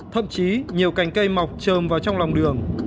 thậm chí nhiều cành cây mọc trơm vào trong lòng đường